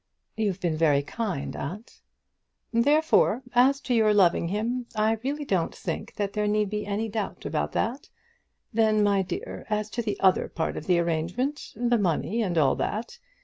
"You've been very kind, aunt." "Therefore as to your loving him, I really don't think there need be any doubt about that. Then, my dear, as to the other part of the arrangement, the money and all that.